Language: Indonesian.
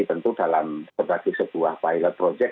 tentu dalam sebagai sebuah pilot project